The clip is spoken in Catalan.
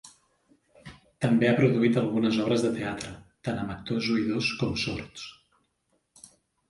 També ha produït algunes obres de teatre, tant amb actors oïdors com sords.